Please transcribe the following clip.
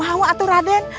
oh saya ingin raden